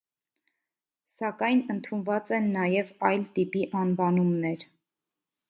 Սակայն ընդունված են նաև այլ տիպի անվանումներ։